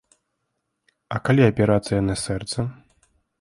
А калі аперацыя на сэрца?